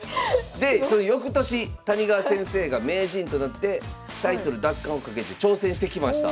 でそのよくとし谷川先生が名人となってタイトル奪還をかけて挑戦してきました。